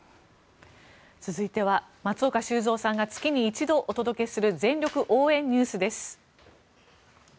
続いては、松岡修造さんが月に１度お届けする全力応援ＮＥＷＳです。